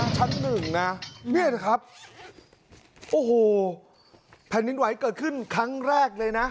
ชั้นหนึ่งนะเนี่ยนะครับโอ้โหแผ่นดินไหวเกิดขึ้นครั้งแรกเลยนะ